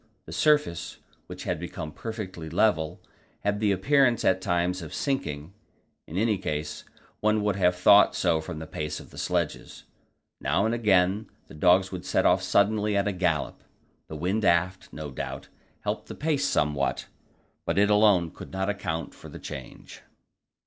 The surface, which had become perfectly level, had the appearance at times of sinking; in any case, one would have thought so from the pace of the sledges. Now and again the dogs would set off suddenly at a gallop. The wind aft, no doubt, helped the pace somewhat, but it alone could not account for the change.